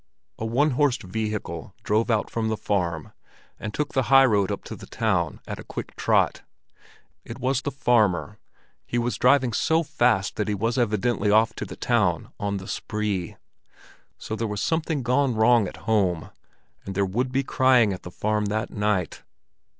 A one horsed vehicle drove out from the farm, and took the high road to the town at a quick trot. It was the farmer; he was driving so fast that he was evidently off to the town on the spree. So there was something gone wrong at home, and there would be crying at the farm that night.